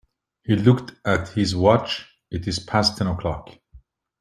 He looked at his watch, "it is past ten o'clock".